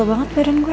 gel banget badan gue